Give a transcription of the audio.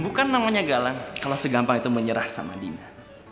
bukan namanya galang kalau segampang itu menyerah sama dina